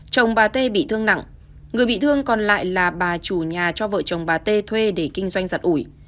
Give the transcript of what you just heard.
chồng bà tê bị thương nặng người bị thương còn lại là bà chủ nhà cho vợ chồng bà t thuê để kinh doanh giặt ủi